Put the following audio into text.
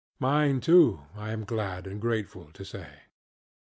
Mine too, I am glad and grateful to say.